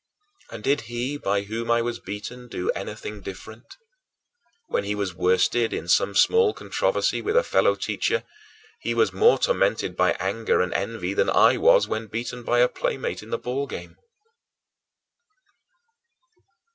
And did he by whom I was beaten do anything different? When he was worsted in some small controversy with a fellow teacher, he was more tormented by anger and envy than I was when beaten by a playmate in the ball game.